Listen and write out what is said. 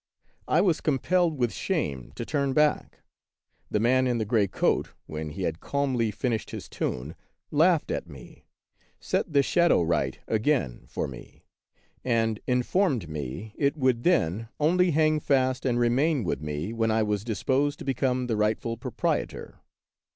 I was compelled with shame to turn back. The man in the gray coat, when he had calmly fin ished his tune, laughed at me, set the shadow right again for me, and informed me that it would then only hang fast and remain with me when I was disposed to become the rightful proprietor.